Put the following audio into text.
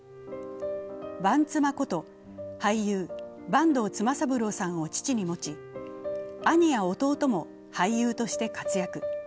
阪妻こと俳優阪東妻三郎さんを父に持ち兄や弟も俳優として活躍。